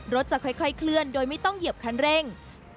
จะค่อยเคลื่อนโดยไม่ต้องเหยียบคันเร่ง